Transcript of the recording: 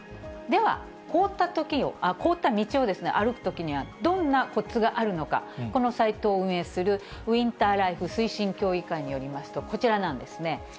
では凍った道を歩くときには、どんなコツがあるのか、このサイトを運営するウインターライフ推進協議会によりますと、こちらなんですね。